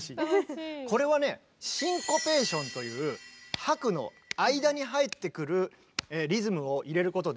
これはねシンコペーションという拍の間に入ってくるリズムを入れることで。